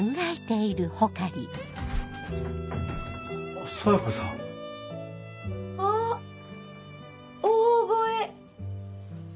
あっ冴子さん。あっオーボエ！